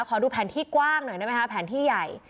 ขอดูแผนที่กว้างหน่อยได้ไหมคะแผนที่ใหญ่